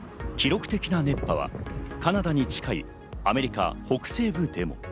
記録的な熱波は、カナダに近い、アメリカ北西部でも。